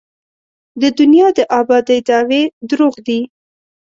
د دنیا د ابادۍ دعوې درواغ دي.